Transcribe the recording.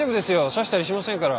刺したりしませんから。